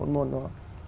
bốn môn đó